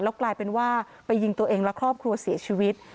กลายเป็นว่าไปยิงตัวเองและครอบครัวเสียชีวิต